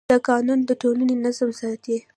دا قانون د ټولنې نظم ساتي.